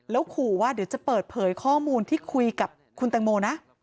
แล้วขู่ว่าเดี๋ยวจะเปิดเผยข้อมูลที่คุยกับคุณแตงโมนะ